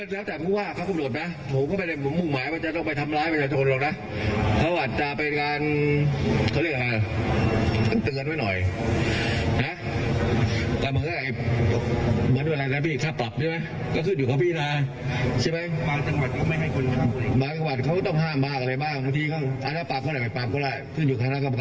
ส่วนผลเอกประยุทธ์จันโอชานายมันรีนะครับ